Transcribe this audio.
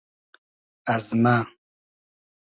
از مۂ